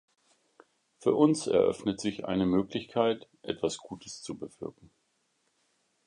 Für uns eröffnet sich eine Möglichkeit, etwas Gutes zu bewirken.